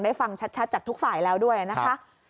ฟังชัดจากทุกฝ่ายแล้วด้วยนะคะ